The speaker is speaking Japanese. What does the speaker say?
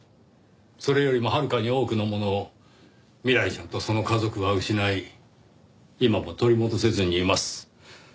それよりもはるかに多くのものを未来ちゃんとその家族は失い今も取り戻せずにいます。